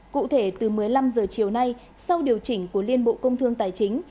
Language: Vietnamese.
cụ thể từ một mươi năm h chiều nay sau điều chỉnh của liên bộ công thương tài chính